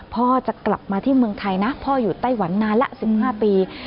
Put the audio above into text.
พ่อจะกลับมาที่เมืองไทยนะพ่ออยู่ไต้หวันนานละ๑๕ปี